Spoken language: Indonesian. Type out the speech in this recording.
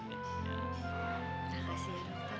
terima kasih ya bu